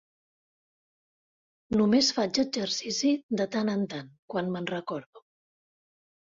Només faig exercici de tant en tant, quan me'n recordo.